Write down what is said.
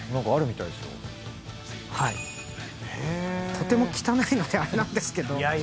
とても汚いのであれなんですけど。